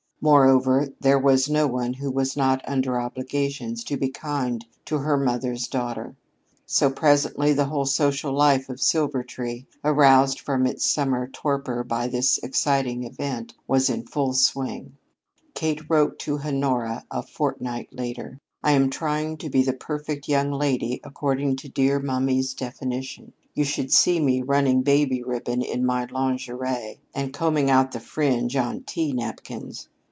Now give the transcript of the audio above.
Moreover, there was no one who was not under obligations to be kind to her mother's daughter. So, presently the whole social life of Silvertree, aroused from its midsummer torpor by this exciting event, was in full swing. Kate wrote to Honora a fortnight later: I am trying to be the perfect young lady according to dear mummy's definition. You should see me running baby ribbon in my lingerie and combing out the fringe on tea napkins.